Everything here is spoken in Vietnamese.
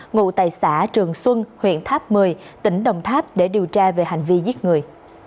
ngụ tại xã trường xuân huyện tháp một mươi tỉnh đồng tháp để điều tra về hành vi giết người